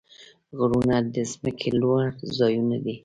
غرونه د ځمکې لوړ ځایونه دي.